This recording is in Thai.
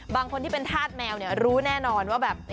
บางคนที่เป็นธาตุแมวรู้แน่นอนว่าแบบ